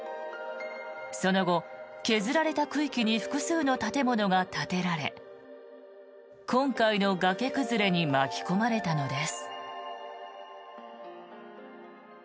その後、削られた区域に複数の建物が建てられ今回の崖崩れに巻き込まれたのです。